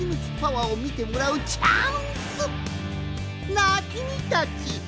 なあきみたち！